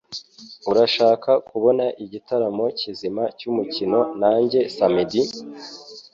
Urashaka kubona igitaramo kizima cyumukino nanjye samedi?